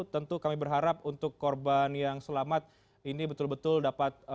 tentu kami berharap untuk korban yang selamat ini betul betul dapat